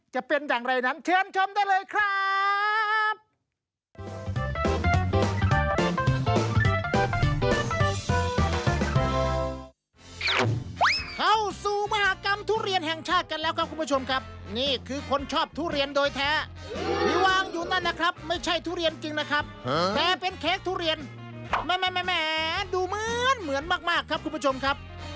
จะเป็นอย่างไรนั้นเชิญชมได้เลยครับ